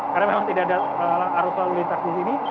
karena memang tidak ada arus lalu lintas di sini